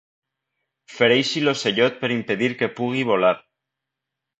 Fereixi l'ocellot per impedir que pugui volar.